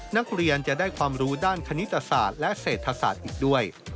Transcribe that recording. นักเรียนจะได้ความรู้ด้านคณิตศาสตร์และเศรษฐศาสตร์อีกด้วย